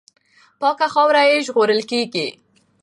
پاکه خاوره یې ژغورل کېږي.